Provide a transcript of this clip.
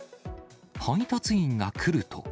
配達員が来ると。